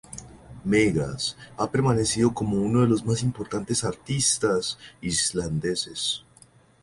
Megas ha permanecido como uno de los más importantes artistas islandeses.